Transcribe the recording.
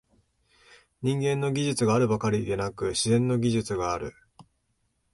人間の技術があるばかりでなく、「自然の技術」がある。